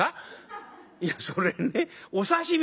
「いやそれねお刺身」。